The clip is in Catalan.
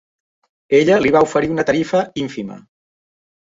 Ella li va oferir una tarifa ínfima.